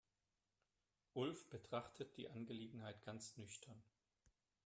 Ulf betrachtet die Angelegenheit ganz nüchtern.